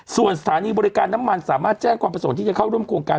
ส่วนสถานีบริการน้ำมันสามารถแจ้งความประสงค์ที่จะเข้าร่วมโครงการ